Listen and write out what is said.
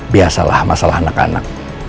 biasalah masalah anak anak